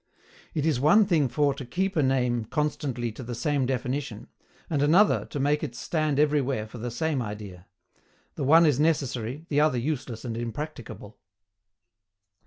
It is one thing for to keep a name constantly to the same definition, and another to make it stand everywhere for the same idea; the one is necessary, the other useless and impracticable.